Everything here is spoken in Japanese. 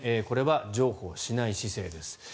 これは譲歩しない姿勢です。